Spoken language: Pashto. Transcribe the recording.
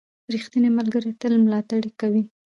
• ریښتینی ملګری تل ملاتړ کوي.